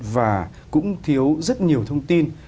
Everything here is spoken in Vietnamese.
và cũng thiếu rất nhiều thông tin